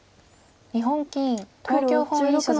日本棋院東京本院所属。